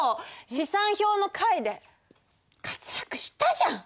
試算表の回で活躍したじゃん！